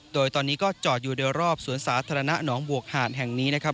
โดยตอนนี้ก็จอดอยู่โดยรอบสวนสาธารณะหนองบวกหาดแห่งนี้นะครับ